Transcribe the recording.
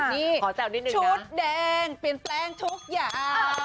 นี่ชุดแดงเปลี่ยนแปลงทุกอย่าง